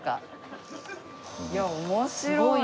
いや面白い！